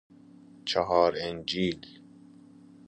چﮩار انجیل